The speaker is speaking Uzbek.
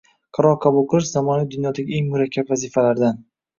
Qaror qabul qilish – zamonaviy dunyodagi eng murakkab vazifalardan